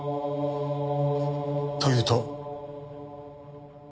というと？